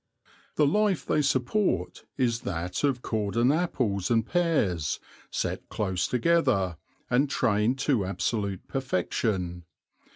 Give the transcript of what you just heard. The life they support is that of cordon apples and pears, set close together, and trained to absolute perfection.